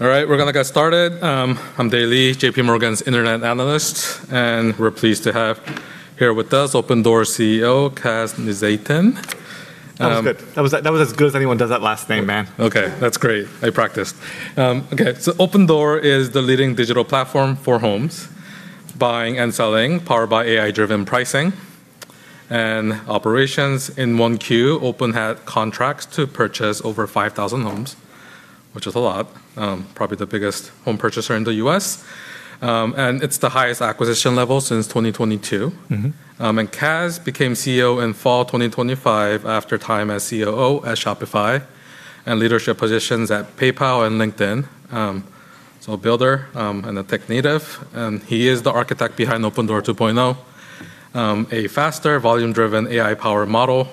All right, we're gonna get started. I'm Dae Lee, JPMorgan's internet analyst, and we're pleased to have here with us Opendoor CEO, Kaz Nejatian. That was good. That was as good as anyone does that last name, man. That's great. I practiced. Opendoor is the leading digital platform for homes, buying and selling, powered by AI-driven pricing and operations. In 1Q, Open had contracts to purchase over 5,000 homes, which is a lot, probably the biggest home purchaser in the U.S. It's the highest acquisition level since 2022. Kaz became CEO in fall 2025 after time as COO at Shopify and leadership positions at PayPal and LinkedIn. A builder, and a tech native, he is the architect behind Opendoor 2.0, a faster volume-driven AI-powered model.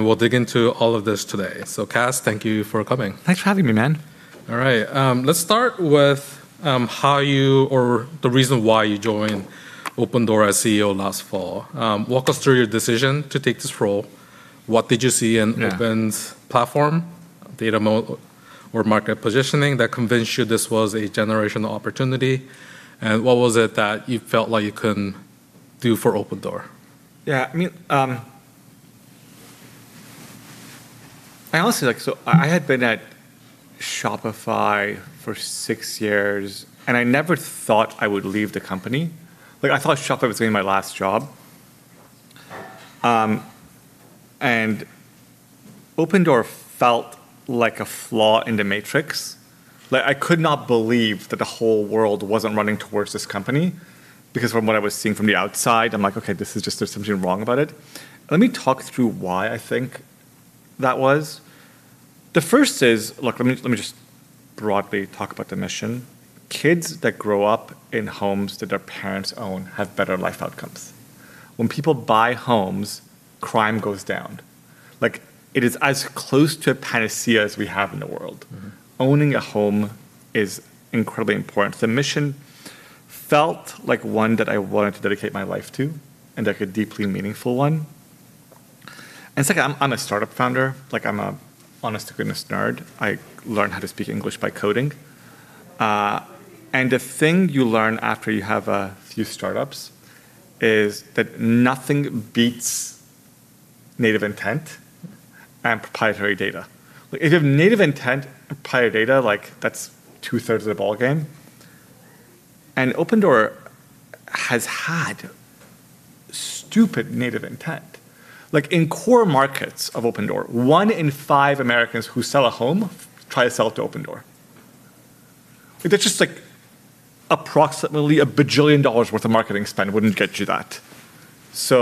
We'll dig into all of this today. Kaz, thank you for coming. Thanks for having me, man. All right. Let's start with, how you or the reason why you joined Opendoor as CEO last fall. Walk us through your decision to take this role. What did you see in. Yeah. Opendoor's platform, or market positioning that convinced you this was a generational opportunity? What was it that you felt like you can do for Opendoor? Yeah, I mean, I honestly, like, I had been at Shopify for six years, and I never thought I would leave the company. Like, I thought Shopify was gonna be my last job. Opendoor felt like a flaw in the matrix. Like, I could not believe that the whole world wasn't running towards this company because from what I was seeing from the outside, I'm like, "Okay, this is just, there's something wrong about it." Let me talk through why I think that was. The first is let me just broadly talk about the mission. Kids that grow up in homes that their parents own have better life outcomes. When people buy homes, crime goes down. Like, it is as close to a panacea as we have in the world. Owning a home is incredibly important. The mission felt like one that I wanted to dedicate my life to, a deeply meaningful one. Second, I'm a startup founder. Like, I'm a honest to goodness nerd. I learned how to speak English by coding. The thing you learn after you have a few startups is that nothing beats native intent and proprietary data. Like, if you have native intent and proprietary data, like, that's 2/3 of the ball game. Opendoor has had stupid native intent. Like, in core markets of Opendoor, one in five Americans who sell a home try to sell it to Opendoor. Like, that's just, like, approximately a bajillion dollars worth of marketing spend wouldn't get you that. It's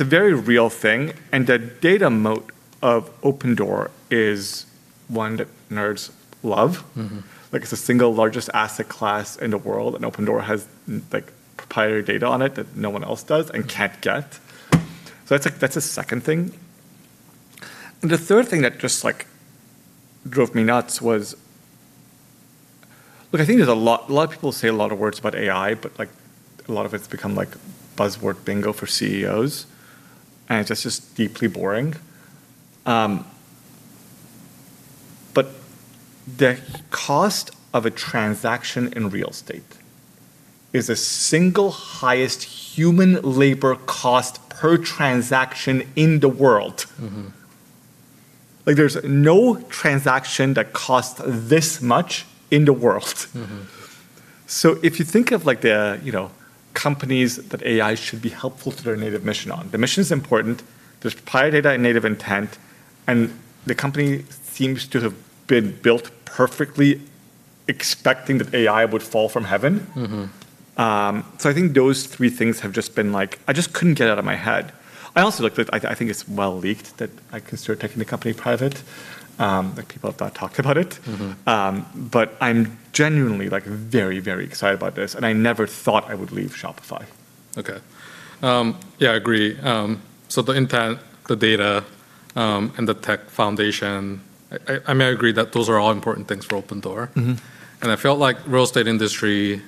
a very real thing, the data moat of Opendoor is one that nerds love. It's the single largest asset class in the world, Opendoor has like, proprietary data on it that no one else does and can't get. That's a second thing. The third thing that just, like, drove me nuts was Look, I think there's a lot of people say a lot of words about AI, but, like, a lot of it's become, like, buzzword bingo for CEOs, and it's just deeply boring. The cost of a transaction in real estate is the single highest human labor cost per transaction in the world. Like, there's no transaction that costs this much in the world. If you think of, like, the, you know, companies that AI should be helpful to their native mission, the mission's important. There's proprietary data and native intent. The company seems to have been built perfectly expecting that AI would fall from heaven. I think those three things have just been, I just couldn't get out of my head. I also, I think it's well leaked that I considered taking the company private, people have not talked about it. I'm genuinely, like, very, very excited about this, and I never thought I would leave Shopify. Okay. Yeah, I agree. The intent, the data, and the tech foundation, I mean, I agree that those are all important things for Opendoor. I felt like real estate industry,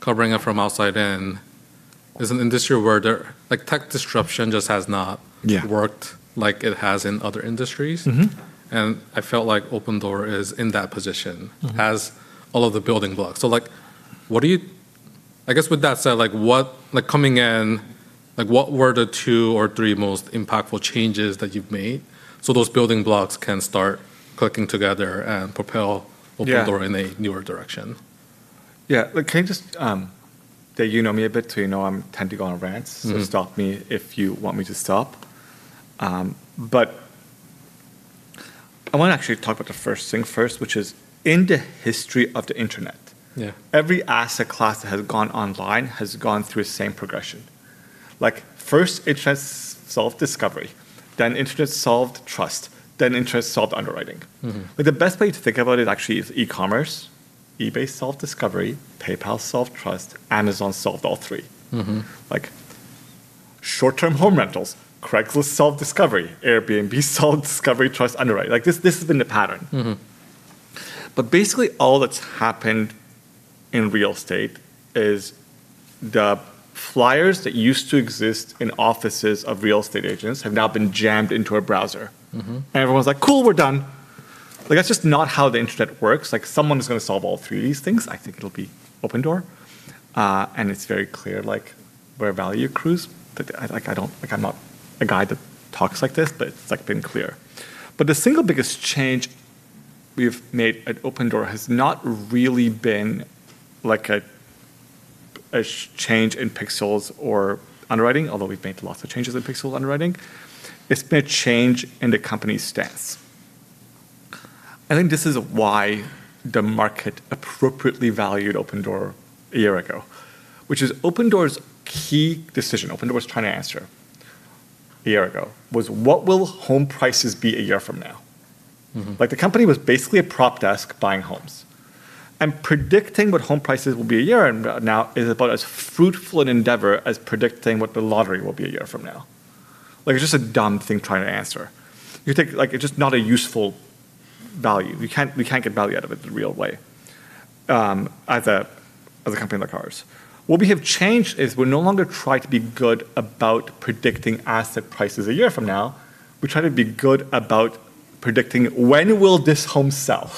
covering it from outside in, is an industry where there, like, tech disruption just has not. Yeah. Worked like it has in other industries. I felt like Opendoor is in that position. Has all of the building blocks. Like, what, I guess with that said, like, what, like, coming in, like, what were the two or three most impactful changes that you've made so those building blocks can start clicking together and propel Opendoor? Yeah. In a newer direction? Yeah. Like, can you just, that you know me a bit, so you know I'm tend to go on rants. Stop me if you want me to stop. I wanna actually talk about the first thing first, which is in the history of the internet. Yeah. Every asset class that has gone online has gone through the same progression. Like, first internet solved discovery, then internet solved trust, then internet solved underwriting. The best way to think about it actually is e-commerce, eBay solved discovery, PayPal solved trust, Amazon solved all three. Like, short-term home rentals, Craigslist solved discovery, Airbnb solved discovery, trust, Like, this has been the pattern. Basically all that's happened in real estate is the flyers that used to exist in offices of real estate agents have now been jammed into a browser. Everyone's like, "Cool, we're done." That's just not how the internet works. Someone's gonna solve all three of these things. I think it'll be Opendoor. It's very clear, like, where value accrues. I, like, I'm not a guy that talks like this, but it's, like, been clear. The single biggest change we've made at Opendoor has not really been, like, a change in pixels or underwriting, although we've made lots of changes in pixel underwriting. It's been a change in the company's stance. I think this is why the market appropriately valued Opendoor a year ago, which is Opendoor's key decision was trying to answer a year ago was what will home prices be a year from now? Like, the company was basically a prop desk buying homes. Predicting what home prices will be a year from now is about as fruitful an endeavor as predicting what the lottery will be a year from now. Like, it's just a dumb thing trying to answer. Like, it's just not a useful value. We can't get value out of it the real way as a company like ours. What we have changed is we no longer try to be good about predicting asset prices a year from now. We try to be good about predicting when will this home sell.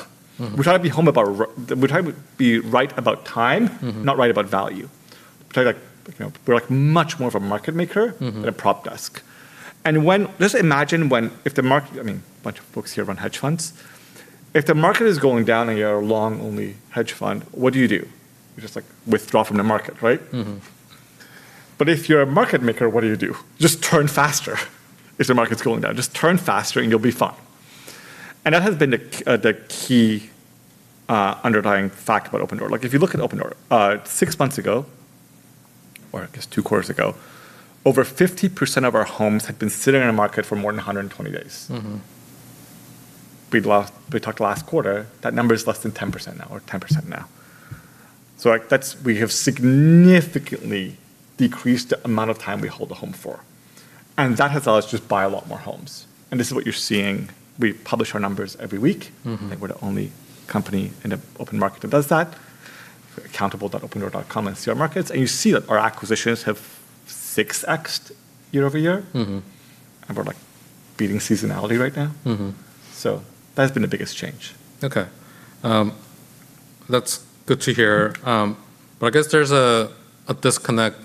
We try to be right about time, not right about value. Try, like, you know, we're, like, much more of a market maker than a prop desk. Just imagine. I mean, a bunch of folks here run hedge funds. If the market is going down and you're a long-only hedge fund, what do you do? You just, like, withdraw from the market, right? If you're a market maker, what do you do? Just turn faster if the market's going down. Just turn faster and you'll be fine. That has been the key underlying fact about Opendoor. If you look at Opendoor, six months ago, or I guess two quarters ago, over 50% of our homes had been sitting on the market for more than 120 days. We talked last quarter, that number is less than 10% now, or 10% now. We have significantly decreased the amount of time we hold the home for, and that has let us just buy a lot more homes, and this is what you're seeing. We publish our numbers every week. I think we're the only company in the open market that does that. accountable.opendoor.com and see our markets. You see that our acquisitions have 6x year-over-year. We're, like, beating seasonality right now. That has been the biggest change. Okay. That's good to hear. I guess there's a disconnect,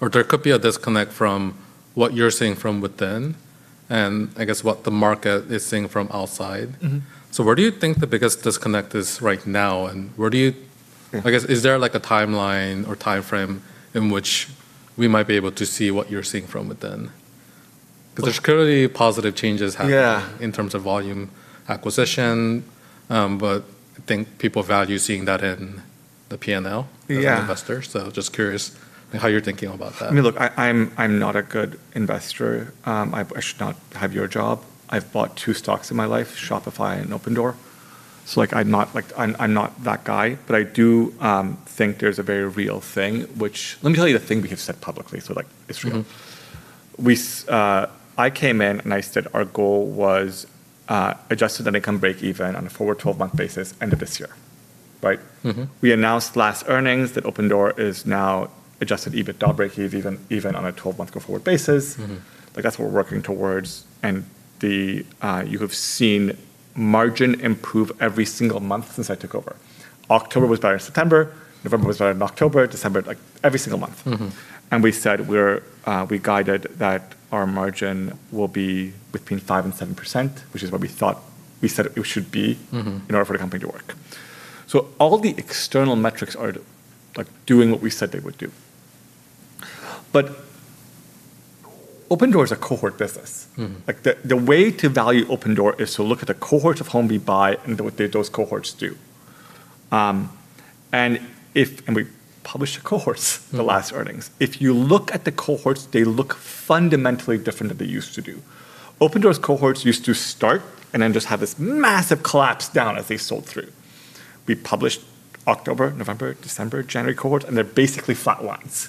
or there could be a disconnect from what you're seeing from within and I guess what the market is seeing from outside. Where do you think the biggest disconnect is right now? Yeah. I guess, is there, like, a timeline or timeframe in which we might be able to see what you're seeing from within? 'Cause there's clearly positive changes happening. Yeah. In terms of volume acquisition, but I think people value seeing that in the P&L. Yeah. Of investors. Just curious in how you're thinking about that. I mean, look, I'm not a good investor. I should not have your job. I've bought two stocks in my life, Shopify and Opendoor. like, I'm not that guy, but I do think there's a very real thing. Let me tell you the thing we have said publicly, like, it's real. I came in and I said our goal was adjusted net income break even on a forward 12-month basis end of this year, right? We announced last earnings that Opendoor is now Adjusted EBITDA break even on a 12-month go forward basis. Like, that's what we're working towards. You have seen margin improve every single month since I took over. October was better than September, November was better than October, December Like, every single month. We said we guided that our margin will be between 5% and 7%, which is what we thought, we said it should be in order for the company to work. All the external metrics are like, doing what we said they would do. Opendoor is a cohort business. Like, the way to value Opendoor is to look at the cohorts of home we buy and what those cohorts do. We published the cohorts in the last earnings. If you look at the cohorts, they look fundamentally different than they used to do. Opendoor's cohorts used to start and then just have this massive collapse down as they sold through. We published October, November, December, January cohort, and they're basically flat lines.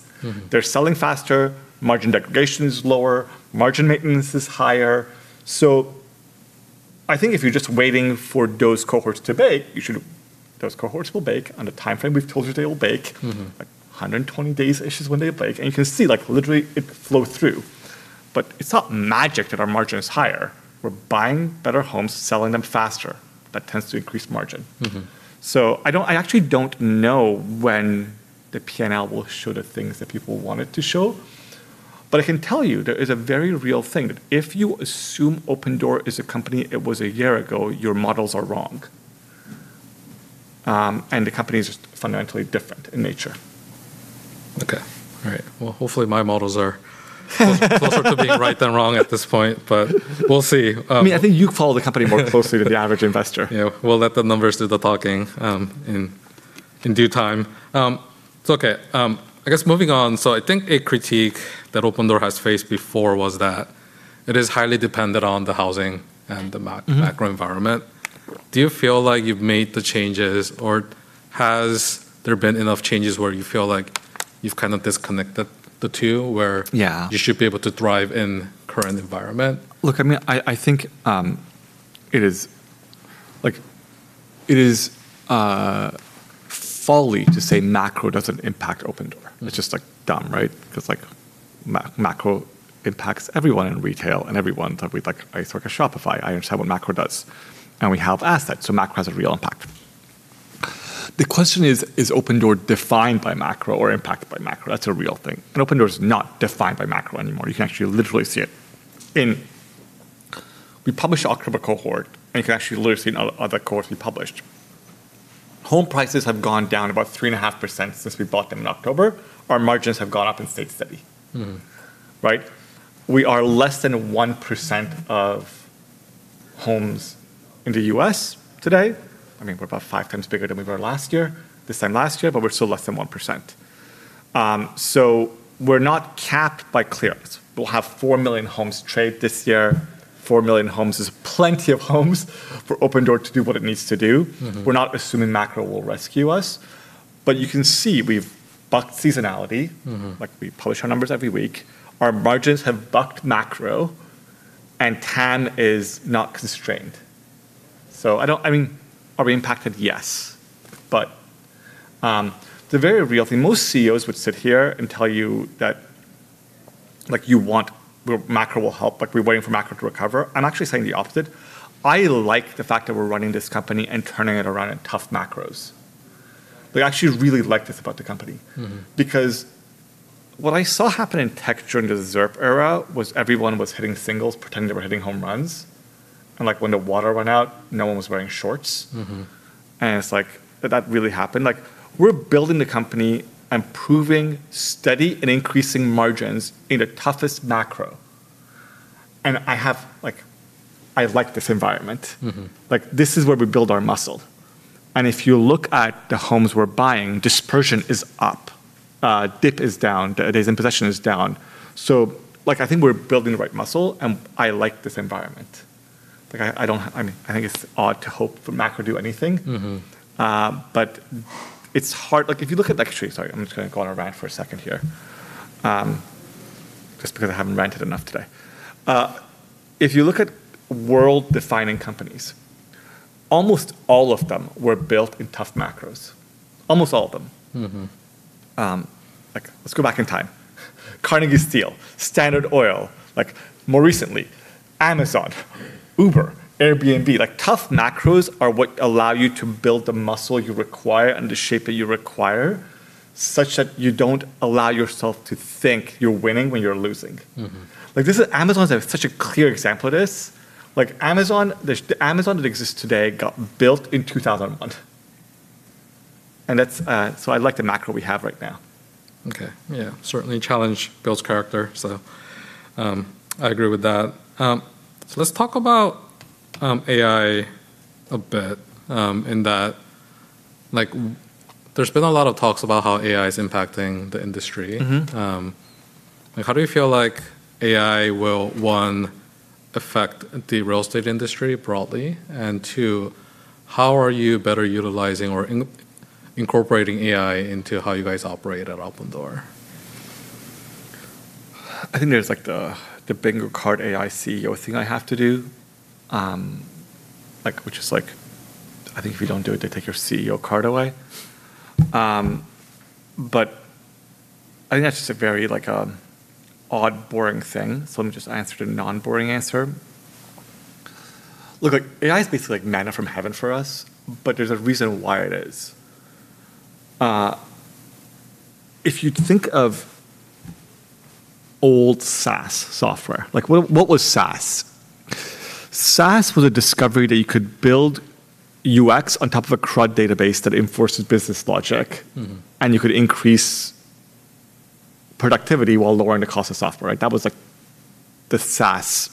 They're selling faster, margin degradation is lower, margin maintenance is higher. I think if you're just waiting for those cohorts to bake, those cohorts will bake on the timeframe we've told you they will bake. Like 120 days-ish is when they bake, and you can see, like, literally it flow through. It's not magic that our margin is higher. We're buying better homes, selling them faster. That tends to increase margin. I don't, I actually don't know when the P&L will show the things that people want it to show, but I can tell you there is a very real thing that if you assume Opendoor is a company it was a year ago, your models are wrong. The company is just fundamentally different in nature. Okay. All right. Well, hopefully my models are closer to being right than wrong at this point, but we'll see. I mean, I think you follow the company more closely than the average investor. Yeah. We'll let the numbers do the talking in due time. Okay, I guess moving on, I think a critique that Opendoor has faced before was that it is highly dependent on the housing and the macro environment. Do you feel like you've made the changes, or has there been enough changes where you feel like you've kind of disconnected the two? Yeah. You should be able to thrive in current environment? Look, I mean, it is folly to say macro doesn't impact Opendoor. It's just dumb, right? Because macro impacts everyone in retail and everyone. I used to work at Shopify. I understand what macro does, and we have assets, so macro has a real impact. The question is Opendoor defined by macro or impacted by macro? That's a real thing. Opendoor is not defined by macro anymore. You can actually literally see it. We publish all critical cohort, and you can actually literally see in other cohorts we published. Home prices have gone down about 3.5% since we bought them in October. Our margins have gone up and stayed steady. Right? We are less than 1% of homes in the U.S. today. I mean, we're about five times bigger than we were last year, this time last year, but we're still less than 1%. We're not capped by clearance. We'll have 4 million homes trade this year. 4 million homes is plenty of homes for Opendoor to do what it needs to do. We're not assuming macro will rescue us. You can see we've bucked seasonality. We publish our numbers every week. Our margins have bucked macro. TAM is not constrained. I mean, are we impacted? Yes. The very real thing, most CEOs would sit here and tell you that like well, macro will help, like we're waiting for macro to recover. I'm actually saying the opposite. I like the fact that we're running this company and turning it around in tough macros. Like I actually really like this about the company. What I saw happen in tech during the ZIRP era was everyone was hitting singles pretending they were hitting home runs. Like when the water went out, no one was wearing shorts. It's like, did that really happen? Like, we're building the company and proving steady and increasing margins in the toughest macro. Like I like this environment. Like this is where we build our muscle. If you look at the homes we're buying, dispersion is up, DIP is down, days in possession is down. Like, I think we're building the right muscle, and I like this environment. Like I mean, I think it's odd to hope for macro to do anything. But it's hard. Actually, sorry, I'm just gonna go on a rant for a second here, just because I haven't ranted enough today. If you look at world-defining companies, almost all of them were built in tough macros. Almost all of them. Like let's go back in time. Carnegie Steel, Standard Oil, like more recently, Amazon, Uber, Airbnb. Like tough macros are what allow you to build the muscle you require and the shape that you require, such that you don't allow yourself to think you're winning when you're losing. Like Amazon is such a clear example of this. Like Amazon, the Amazon that exists today got built in 2001. That's. I like the macro we have right now. Okay. Yeah, certainly challenge builds character, so I agree with that. Let's talk about AI a bit, in that like there's been a lot of talks about how AI is impacting the industry. How do you feel like AI will, one, affect the real estate industry broadly, and two, how are you better utilizing or incorporating AI into how you guys operate at Opendoor? I think there's like the bingo card AI CEO thing I have to do, like which is like I think if you don't do it, they take your CEO card away. I think that's just a very like, odd, boring thing, so let me just answer the non-boring answer. Look like AI is basically like manna from heaven for us, but there's a reason why it is. If you think of old SaaS software, like what was SaaS? SaaS was a discovery that you could build UX on top of a CRUD database that enforces business logic. You could increase productivity while lowering the cost of software, right? That was like the SaaS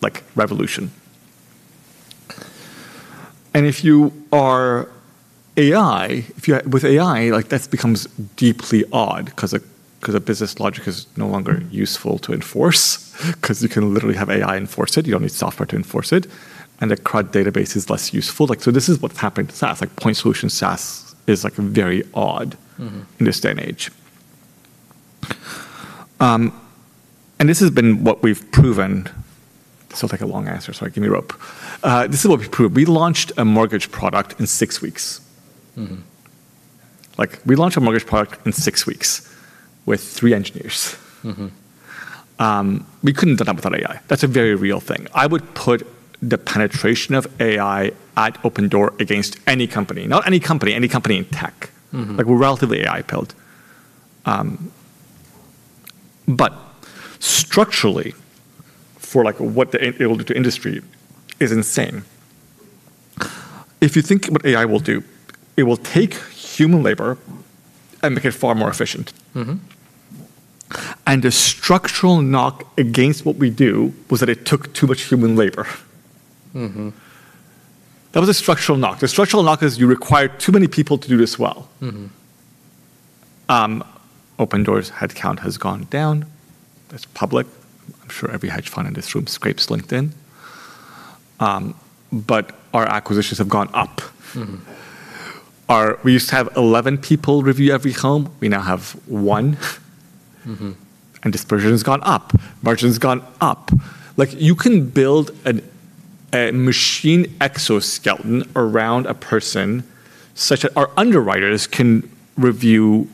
like revolution. If you are AI, with AI, like that becomes deeply odd 'cause a business logic is no longer useful to enforce 'cause you can literally have AI enforce it. You don't need software to enforce it. The CRUD database is less useful. Like, this is what's happened to SaaS. Like point solution SaaS is like very odd in this day and age. This has been what we've proven. This will take a long answer, so give me rope. This is what we've proved. We launched a mortgage product in six weeks. Like we launched a mortgage product in six weeks with three engineers. We couldn't have done that without AI. That's a very real thing. I would put the penetration of AI at Opendoor against any company. Not any company, any company in tech. Like we're relatively AI-pilled. Structurally, for like what it will do to industry is insane. If you think what AI will do, it will take human labor and make it far more efficient. The structural knock against what we do was that it took too much human labor. That was a structural knock. The structural knock is you require too many people to do this well. Opendoor's headcount has gone down. That's public. I'm sure every hedge fund in this room scrapes LinkedIn. Our acquisitions have gone up. We used to have 11 people review every home, we now have one. Dispersion has gone up, margin's gone up. Like, you can build a machine exoskeleton around a person such that our underwriters can review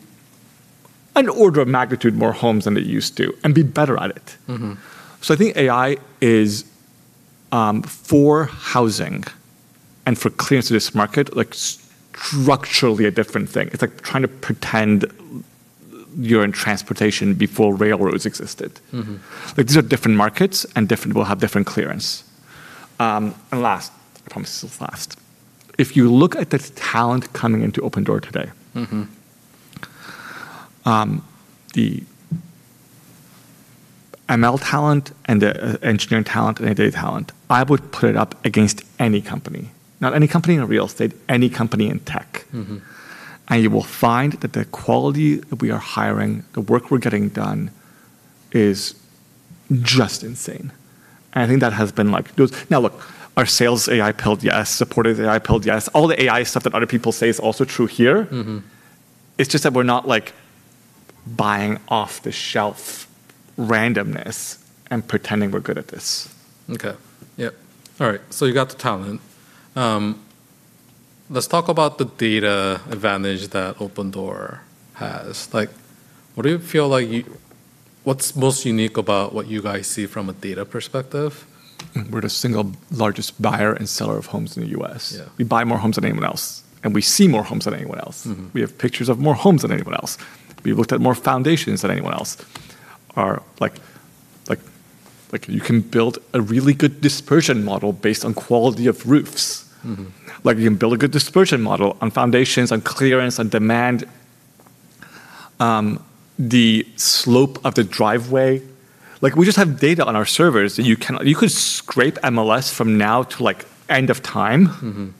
an order of magnitude more homes than they used to, and be better at it. I think AI is for housing and for clearance of this market, like structurally a different thing. It's like trying to pretend you're in transportation before railroads existed. Like, these are different markets, different will have different clearance. Last, I promise this is last, if you look at the talent coming into Opendoor today. The ML talent, and the engineering talent, and the data talent, I would put it up against any company. Not any company in real estate, any company in tech. You will find that the quality that we are hiring, the work we're getting done is just insane, and I think that has been like. Now look, are sales AI-pilled? Yes. Supportive AI-pilled? Yes. All the AI stuff that other people say is also true here. It's just that we're not, like, buying off-the-shelf randomness and pretending we're good at this. Okay. Yep. All right, so you've got the talent. Let's talk about the data advantage that Opendoor has. Like, what do you feel like What's most unique about what you guys see from a data perspective? We're the single largest buyer and seller of homes in the U.S. Yeah. We buy more homes than anyone else, and we see more homes than anyone else. We have pictures of more homes than anyone else. We've looked at more foundations than anyone else. Like, you can build a really good dispersion model based on quality of roofs. You can build a good dispersion model on foundations, on clearance, on demand, the slope of the driveway. We just have data on our servers that you could scrape MLS from now to, like, end of time.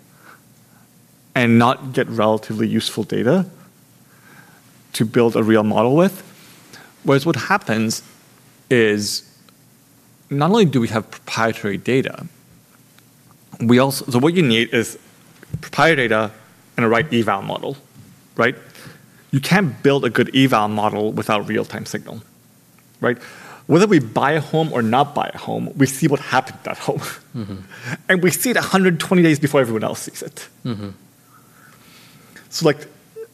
Not get relatively useful data to build a real model with. What happens is not only do we have proprietary data. What you need is proprietary data and a right eval model, right? You can't build a good eval model without real-time signal, right? Whether we buy a home or not buy a home, we see what happened to that home. We see it 120 days before everyone else sees it. Like,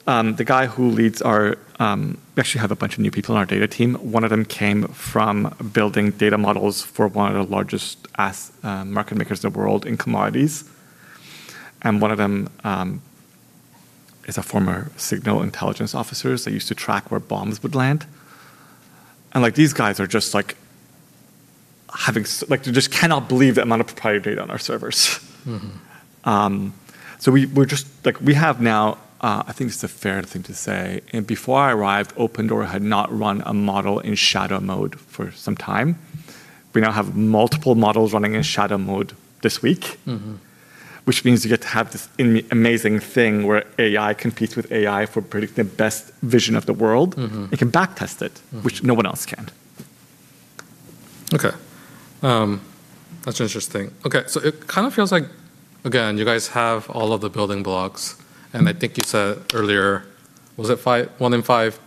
the guy who leads our We actually have a bunch of new people on our data team. One of them came from building data models for one of the largest market makers in the world in commodities, and one of them is a former signal intelligence officer that used to track where bombs would land. Like, these guys are just, like, having like, they just cannot believe the amount of proprietary data on our servers. We're just, like, we have now, I think this is a fair thing to say, before I arrived, Opendoor had not run a model in shadow mode for some time. We now have multiple models running in shadow mode this week. Which means you get to have this amazing thing where AI competes with AI for predicting the best vision of the world. It can backtest it which no one else can. Okay. That's interesting. Okay, it kind of feels like, again, you guys have all of the building blocks I think you said earlier, was it five, one in five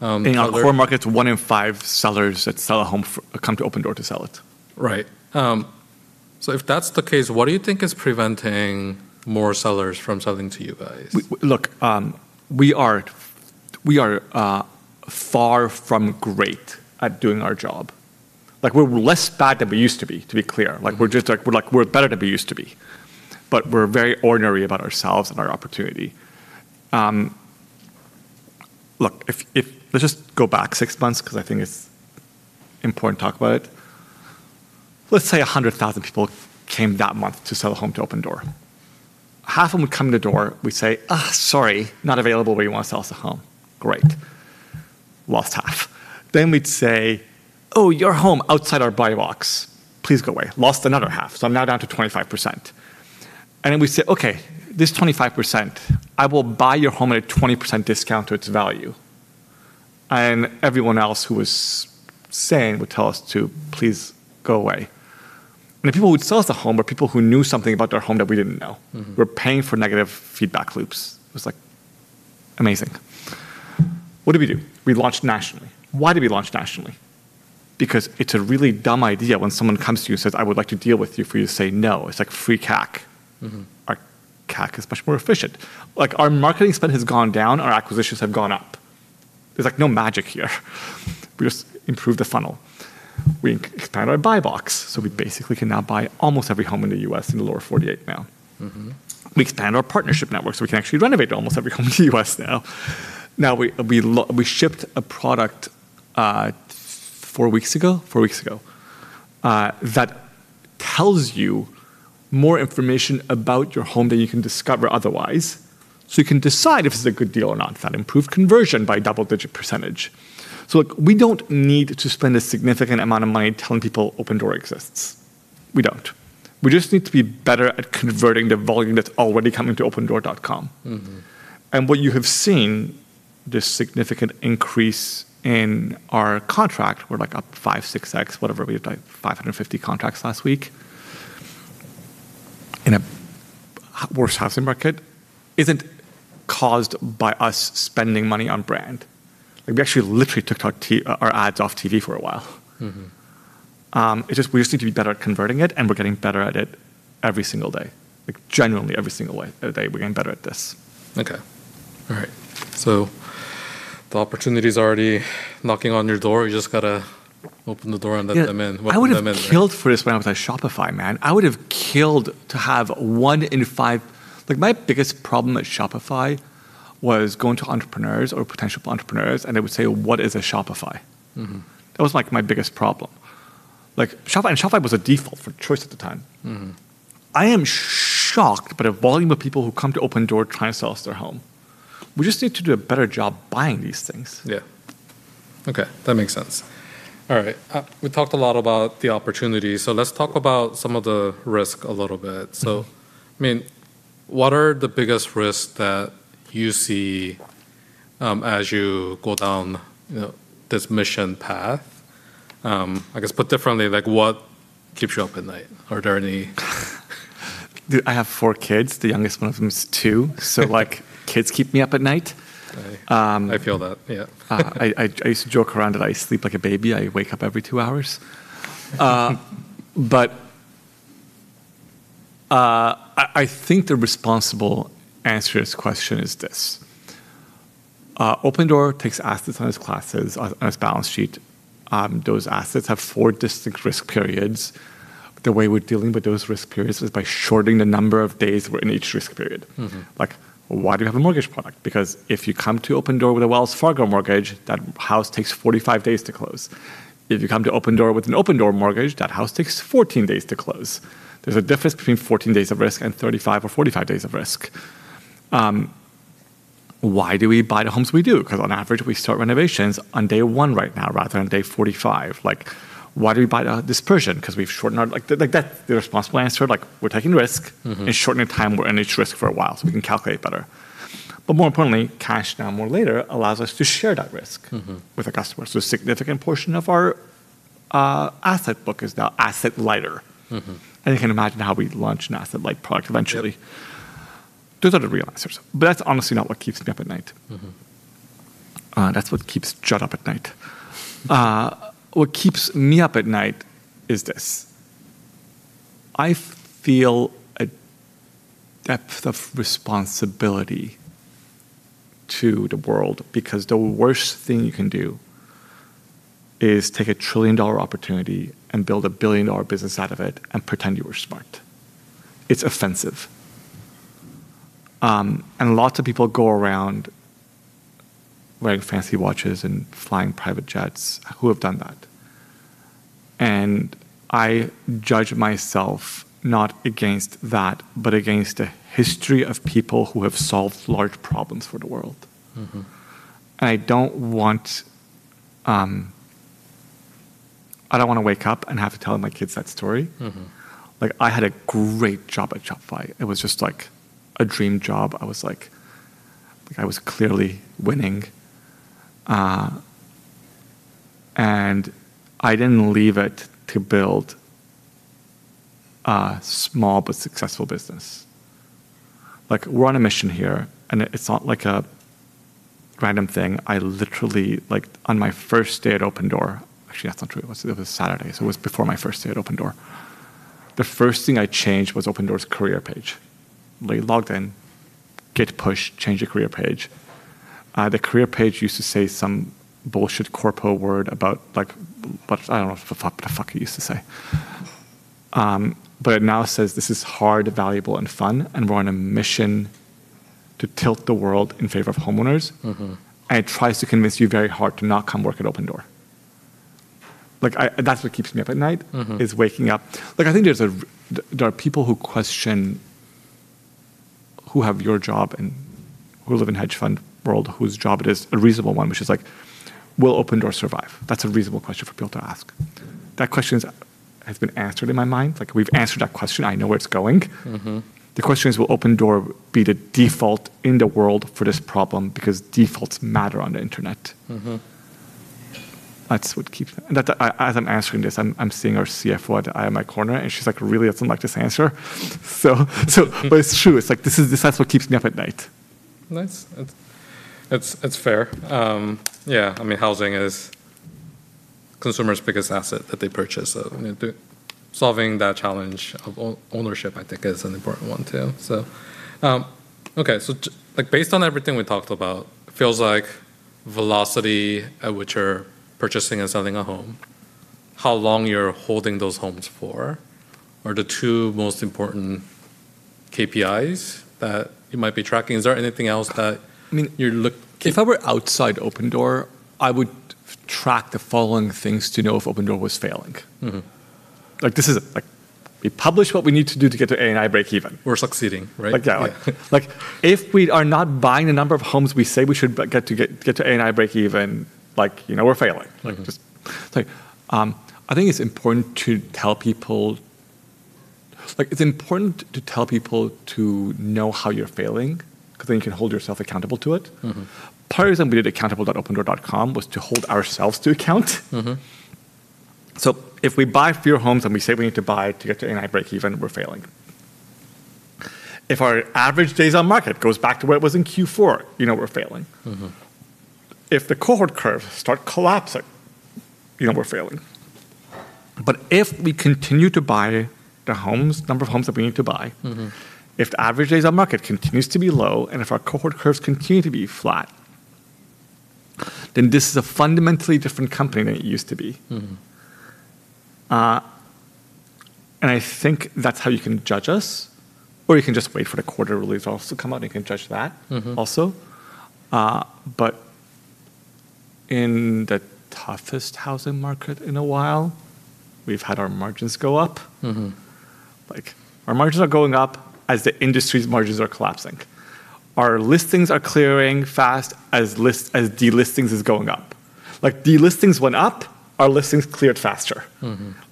sellers? In our core markets, one in five sellers that sell a home come to Opendoor to sell it. Right. If that's the case, what do you think is preventing more sellers from selling to you guys? We are far from great at doing our job. Like, we're less bad than we used to be, to be clear. Like, we're just, like, we're better than we used to be, but we're very ordinary about ourselves and our opportunity. If, let's just go back six months, because I think it's important to talk about it. Let's say 100,000 people came that month to sell a home to Opendoor. Half of them would come in the door, we'd say, "Sorry, not available where you want to sell us a home." Great. Lost half. We'd say, "Your home, outside our buy box. Please go away." Lost another half, so I'm now down to 25%. We'd say, "Okay, this 25%, I will buy your home at a 20% discount to its value." Everyone else who was sane would tell us to please go away. The people who would sell us the home were people who knew something about their home that we didn't know. We're paying for negative feedback loops. It was, like, amazing. What did we do? We launched nationally. Why did we launch nationally? It's a really dumb idea when someone comes to you and says, "I would like to deal with you," for you to say no. It's like free CAC. Our CAC is much more efficient. Like, our marketing spend has gone down, our acquisitions have gone up. There's, like, no magic here. We just improved the funnel. We expanded our buy box, so we basically can now buy almost every home in the U.S. in the lower 48 now. We expanded our partnership network, so we can actually renovate almost every home in the U.S. now. Now we shipped a product, four weeks ago? That tells you more information about your home than you can discover otherwise, you can decide if this is a good deal or not. That improved conversion by a double-digit percentage. Look, we don't need to spend a significant amount of money telling people Opendoor exists. We don't. We just need to be better at converting the volume that's already coming to opendoor.com. What you have seen, this significant increase in our contract, we're like up 5x, 6x, whatever, we had like 550 contracts last week, in a worse housing market, isn't caused by us spending money on brand. Like, we actually literally took our ads off TV for a while. It's just, we just need to be better at converting it, and we're getting better at it every single day. Like, genuinely every single day, we're getting better at this. Okay. All right. The opportunity's already knocking on your door. You just gotta open the door and let them in. Yeah. Welcome them in. I would have killed for this when I was at Shopify, man. I would have killed to have one in five Like, my biggest problem at Shopify was going to entrepreneurs or potential entrepreneurs, and they would say, "What is a Shopify? That was, like, my biggest problem. Like, Shopify was a default for choice at the time. I am shocked by the volume of people who come to Opendoor trying to sell us their home. We just need to do a better job buying these things. Yeah. Okay. That makes sense. All right. We talked a lot about the opportunity, let's talk about some of the risk a little bit. I mean, what are the biggest risks that you see, as you go down, you know, this mission path? I guess put differently, like, what keeps you up at night? I have four kids, the youngest one of them is two. like, kids keep me up at night. Right. Um. I feel that, yeah. I used to joke around that I sleep like a baby. I wake up every two hours. I think the responsible answer to this question is this, Opendoor takes assets on its classes, as balance sheet. Those assets have four distinct risk periods. The way we're dealing with those risk periods is by shorting the number of days we're in each risk period. Like, why do we have a mortgage product? If you come to Opendoor with a Wells Fargo mortgage, that house takes 45 days to close. If you come to Opendoor with an Opendoor mortgage, that house takes 14 days to close. There's a difference between 14 days of risk and 35 or 45 days of risk. Why do we buy the homes we do? 'Cause on average, we start renovations on day one right now rather than day 45. Like, why do we buy the dispersion? 'Cause we've shortened our Like, like, that, the responsible answer shortening time we're in each risk for a while, so we can calculate better. More importantly, Cash Now, More Later allows us to share that risk with our customers. A significant portion of our asset book is now asset lighter. You can imagine how we'd launch an asset light product eventually. Totally. Those are the real answers. That's honestly not what keeps me up at night. That's what keeps Judd up at night. What keeps me up at night is this, I feel a depth of responsibility to the world because the worst thing you can do is take a trillion-dollar opportunity and build a billion-dollar business out of it and pretend you were smart. It's offensive. Lots of people go around wearing fancy watches and flying private jets who have done that, and I judge myself not against that, but against the history of people who have solved large problems for the world. I don't wanna wake up and have to tell my kids that story. I had a great job at Shopify. It was just, like, a dream job. I was, like, I was clearly winning. I didn't leave it to build a small but successful business. We're on a mission here, and it's not like a random thing. I literally, like, on my first day at Opendoor. Actually, that's not true. It was a Saturday, so it was before my first day at Opendoor. The first thing I changed was Opendoor's career page. Literally logged in, GitHub push, change the career page. The career page used to say some bullshit corpo word about, like, I don't know what the fuck it used to say. It now says, "This is hard, valuable, and fun, and we're on a mission to tilt the world in favor of homeowners. It tries to convince you very hard to not come work at Opendoor. Like, that's what keeps me up at night is waking up Like, I think there's a, there are people who question, who have your job and who live in hedge fund world, whose job it is a reasonable one, which is like, will Opendoor survive? That's a reasonable question for people to ask. That question has been answered in my mind. Like, we've answered that question. I know where it's going. The question is, will Opendoor be the default in the world for this problem? Defaults matter on the internet. That, as I'm answering this, I'm seeing our CFO out the eye of my corner, and she's like, "Really doesn't like this answer." But it's true. It's like, this is what keeps me up at night. Nice. It's fair. Yeah, I mean, housing is consumer's biggest asset that they purchase, so, you know, the, solving that challenge of ownership, I think, is an important one too. Okay. Like, based on everything we talked about, feels like velocity at which you're purchasing and selling a home, how long you're holding those homes for are the two most important KPIs that you might be tracking. Is there anything else that, I mean, you're look. If I were outside Opendoor, I would track the following things to know if Opendoor was failing. This is it. We publish what we need to do to get to ANI breakeven. We're succeeding, right? Exactly. Yeah. Like, if we are not buying the number of homes we say we should get to ANI breakeven, like, you know, we're failing. Just like, it's important to tell people to know how you're failing, 'cause then you can hold yourself accountable to it. Part of the reason we did accountable.opendoor.com was to hold ourselves to account. If we buy fewer homes than we say we need to buy to get to ANI breakeven, we're failing. If our average days on market goes back to where it was in Q4, you know we're failing. If the cohort curve start collapsing, you know we're failing. If we continue to buy the homes, number of homes that we need to buy. If the average days on market continues to be low, and if our cohort curves continue to be flat, then this is a fundamentally different company than it used to be. I think that's how you can judge us, or you can just wait for the quarter release also come out, and you can judge that also. In the toughest housing market in a while, we've had our margins go up. Like, our margins are going up as the industry's margins are collapsing. Our listings are clearing fast as delistings is going up. Like, delistings went up, our listings cleared faster.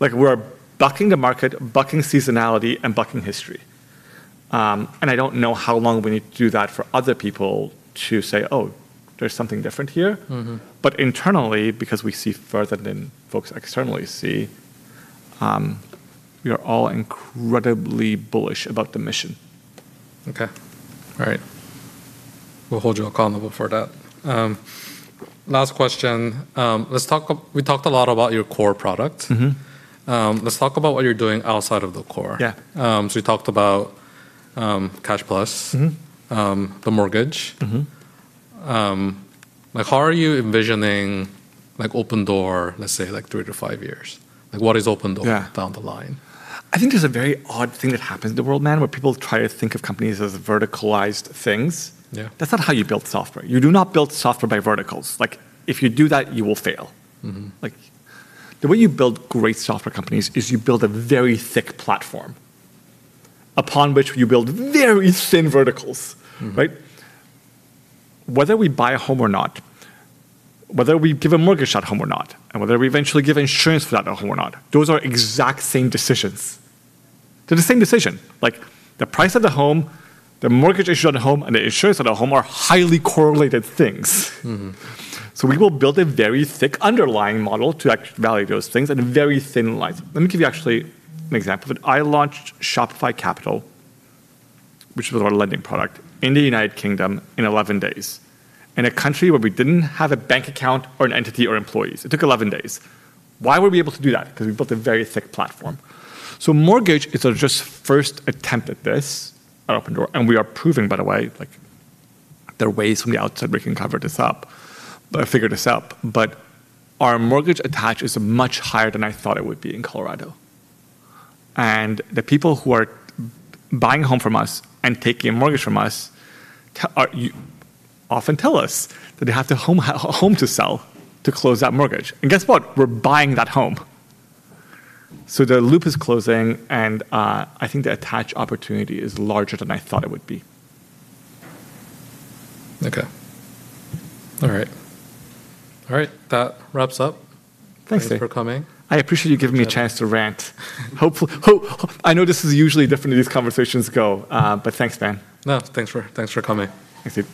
Like, we're bucking the market, bucking seasonality, and bucking history. I don't know how long we need to do that for other people to say, "Oh, there's something different here. Internally, because we see further than folks externally see, we are all incredibly bullish about the mission. Okay. All right. We'll hold you accountable for that. Last question. We talked a lot about your core product. Let's talk about what you're doing outside of the core. Yeah. We talked about Cash Plus. The mortgage. Like, how are you envisioning, like, Opendoor, let's say, like, three to five years? Yeah. Down the line? I think there's a very odd thing that happens in the world, man, where people try to think of companies as verticalized things. Yeah. That's not how you build software. You do not build software by verticals. Like, if you do that, you will fail. The way you build great software companies is you build a very thick platform upon which you build very thin verticals, right? Whether we buy a home or not, whether we give a mortgage to that home or not, and whether we eventually give insurance for that home or not, those are exact same decisions. They're the same decision. Like, the price of the home, the mortgage issued on the home, and the insurance of the home are highly correlated things. We will build a very thick underlying model to actually value those things and very thin lines. Let me give you actually an example. When I launched Shopify Capital, which was our lending product, in the United Kingdom in 11 days, in a country where we didn't have a bank account or an entity or employees. It took 11 days. Why were we able to do that? 'Cause we built a very thick platform. Mortgage is our just first attempt at this at Opendoor, and we are proving, by the way, like, there are ways from the outside we can cover this up, figure this out. Our mortgage attach is much higher than I thought it would be in Colorado, and the people who are buying a home from us and taking a mortgage from us often tell us that they have a home to sell to close that mortgage, and guess what? We're buying that home. The loop is closing, and I think the attach opportunity is larger than I thought it would be. Okay. All right. All right, that wraps up. Thanks, dude. Thank you for coming. I appreciate you giving me a chance to rant. I know this is usually different than these conversations go. Thanks, man. No, thanks for coming. Thanks, dude.